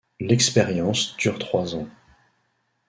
L'expérience dure trois ans.